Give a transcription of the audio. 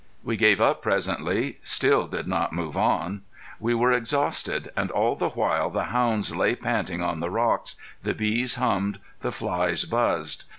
We gave up presently, still did not move on. We were exhausted, and all the while the hounds lay panting on the rocks, the bees hummed, the flies buzzed.